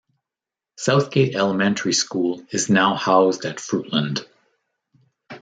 Southgate Elementary School is now housed at Fruitland.